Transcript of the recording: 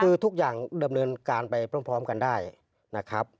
คือทุกอย่างดำเนินการไปพร้อมกันได้นะครับ